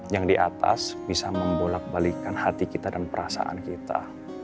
yang di atas bisa membolak balikan hati kita dan perasaan kita